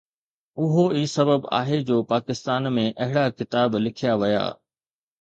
اهو ئي سبب آهي جو پاڪستان ۾ اهڙا ڪتاب لکيا ويا.